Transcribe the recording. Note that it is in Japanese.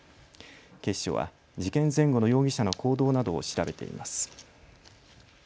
警視庁は事件前後の容疑者の行動などを調べています。